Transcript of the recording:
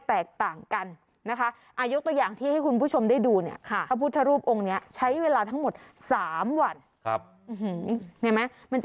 แตกต่างกันนะคะยกตัวอย่างที่ให้คุณผู้ชมได้ดูเนี่ยพระพุทธรูปองค์นี้ใช้เวลาทั้งหมด๓วัน